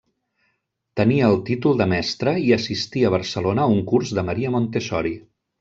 Tenia el títol de mestre i assistí a Barcelona a un curs de Maria Montessori.